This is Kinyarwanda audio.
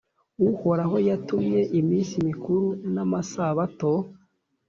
Uhoraho yatumye iminsi mikuru n’amasabato